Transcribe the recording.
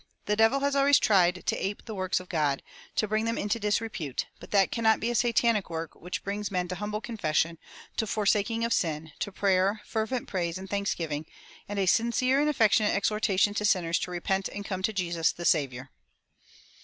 The devil has always tried to ape the works of God, to bring them into disrepute; but that cannot be a Satanic work which brings men to humble confession, to forsaking of sin, to prayer, fervent praise and thanksgiving, and a sincere and affectionate exhortation to sinners to repent and come to Jesus the Saviour."